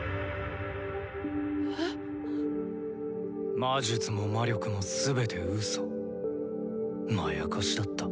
魔術も魔力も全てうそまやかしだった。